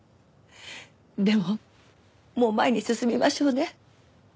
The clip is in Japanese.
でももう前に進みましょうね。